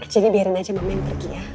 jadi biarin aja mama yang pergi ya